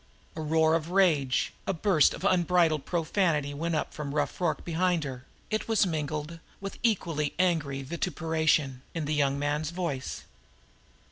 A roar of rage, a burst of unbridled profanity went up from Rough Rorke behind her; it was mingled with equally angry vituperation in the young man's voice.